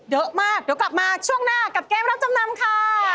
เยอะมากเดี๋ยวกลับมาช่วงหน้ากับเกมรับจำนำค่ะ